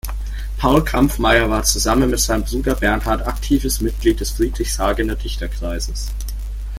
Paul Kampffmeyer war zusammen mit seinem Bruder Bernhard aktives Mitglied des Friedrichshagener Dichterkreises.